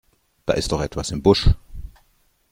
Da ist doch etwas im Busch!